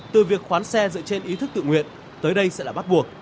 từ việc khoán xe dựa trên ý thức tự nguyện tới đây sẽ là bắt buộc